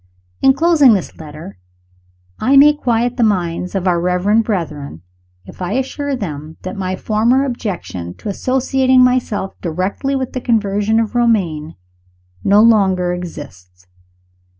In closing this letter, I may quiet the minds of our reverend brethren, if I assure them that my former objection to associating myself directly with the conversion of Romayne no longer exists.